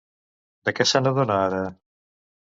De què se n'adona ara?